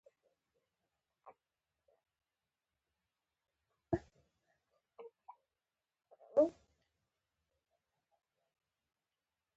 د ګونګيانو کار بيا اسانه دی.